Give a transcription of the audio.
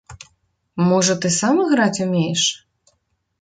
Можа ты сам іграць умееш?